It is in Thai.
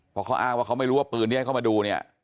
เพราะเขาอ้างว่าเขาไม่รู้ว่าปืนที่ให้เขามาดูเนี่ย